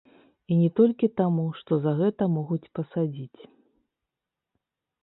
І не толькі таму, што за гэта могуць пасадзіць.